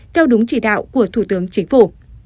theo đúng chỉ đạo của thủ tướng chính phủ